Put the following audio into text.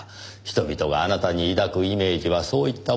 人々があなたに抱くイメージはそういったものでしょう。